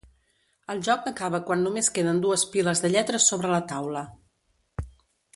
El joc acaba quan només queden dues piles de lletres sobre la taula.